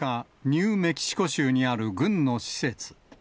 アメリカ・ニューメキシコ州にある軍の施設。